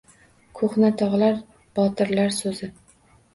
Koʼhna togʼlar – botirlar – soʼzi